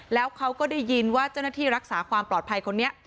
แล้วเขาก็ได้ยินว่าเจ้าหน้าที่รักษาความปลอดภัยคนนี้